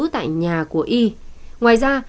tại nhà của y ngoài ra